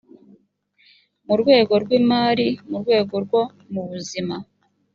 mu rwego rw imari mu rwego rwo mubuzima